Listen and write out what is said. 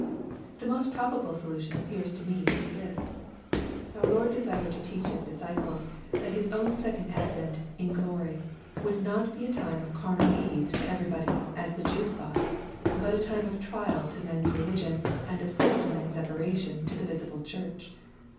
The most probable solution appears to me to be this. Our Lord desired to teach His disciples that His own second advent in glory would not be a time of carnal ease to everybody as the Jews thought, but a time of trial to men's religion, and of sifting and separation to the visible church.